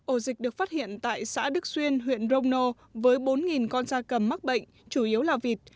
ổ dịch được phát hiện tại xã đức xuyên huyện rono với bốn con da cầm mắc bệnh chủ yếu là vịt